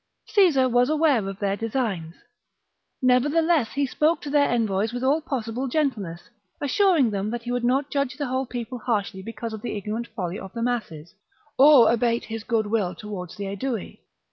Caesar was aware of their designs ; nevertheless he spoke to their envoys with all possible gentleness, assuring them that he would not judge the whole people harshly because of the ignorant folly of the masses, or abate his goodwill towards the Aedui.